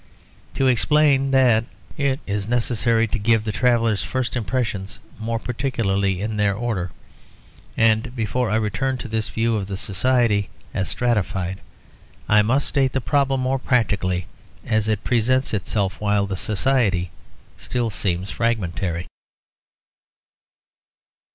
To explain that it is necessary to give the traveller's first impressions more particularly in their order, and before I return to this view of the society as stratified, I must state the problem more practically as it presents itself while the society still seems fragmentary.